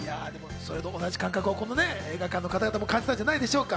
それと同じ感覚をね、館内の方も感じたんじゃないでしょうか？